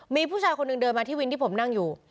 มีผู้ชายคนหนึ่งเดินมาที่วินที่ผมนั่งอยู่